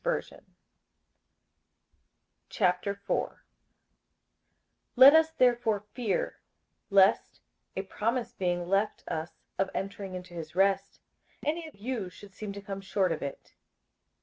58:004:001 Let us therefore fear, lest, a promise being left us of entering into his rest, any of you should seem to come short of it.